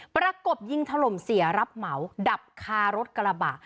ประกบยิงถล่มเสียรับเหมาดับคารถกระบะ